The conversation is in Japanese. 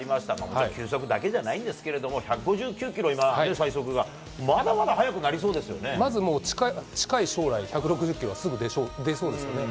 そして、球速だけじゃないんですけども、１５９キロ、今、最速が、まずもう、近い将来、１６０キロはすぐ出そうですよね。